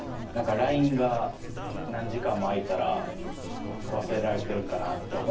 何かラインが何時間も空いたら忘れられてるんかなって。